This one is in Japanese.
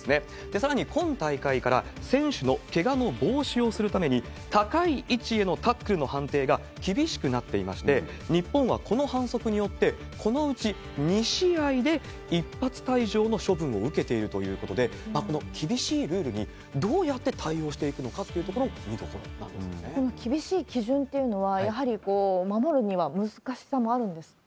さらに今大会から、選手のけがの防止をするために、高い位置へのタックルの判定が厳しくなっていまして、日本はこの反則によって、このうち２試合で一発退場の処分を受けているということで、この厳しいルールにどうやって対応していくというところが厳しい基準というのは、やはり守るには難しさもあるんですか？